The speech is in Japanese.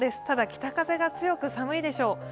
ただ、北風が強く寒いでしょう。